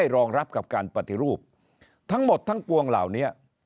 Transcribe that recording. รองรับกับการปฏิรูปทั้งหมดทั้งปวงเหล่านี้